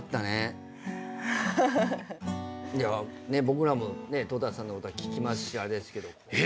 僕らもトータスさんの歌は聴きますしあれですけど。